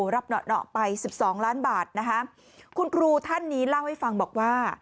รับหนอไป๑๒ล้านบาทนะคะคุณครูท่านนี้เล่าให้ฟังบอกว่า